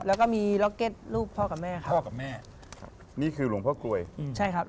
แล้วก็มีล็อกเก็ตลูกพ่อกับแม่ครับ